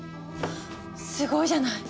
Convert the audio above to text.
すごいじゃない！